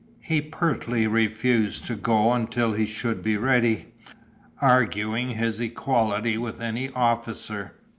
He pertly refused to go until he should be ready, arguing his "equality" with any officer.